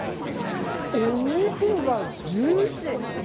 お肉がジューシー。